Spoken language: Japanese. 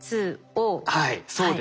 はいそうです。